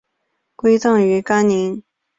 归葬于干陵。